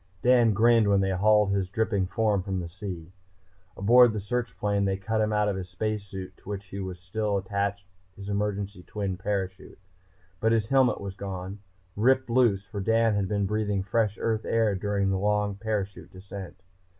Dan grinned when they hauled his dripping form from the sea. Aboard the search plane they cut him out of the space suit to which was still attached his emergency twin parachute. But his helmet was gone, ripped loose, for Dan had been breathing fresh Earth air during the long parachute descent.